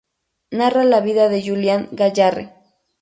Narra la vida de Julián Gayarre.